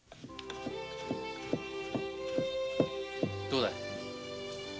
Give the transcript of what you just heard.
どうだい？